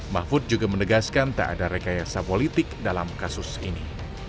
mahfud juga menegaskan tak ada rekayasa politik dalam kasus ini